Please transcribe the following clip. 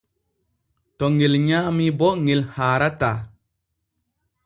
To ŋel nyaami bo ŋel haarataa.